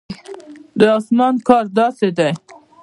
د اسمان کار داسې دی.